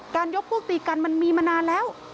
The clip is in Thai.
ยกพวกตีกันมันมีมานานแล้ว